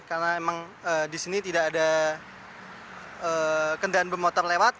karena emang di sini tidak ada kendaraan bermotor lewat